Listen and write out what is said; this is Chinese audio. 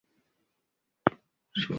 金鱼藻是金鱼藻科金鱼藻属的植物。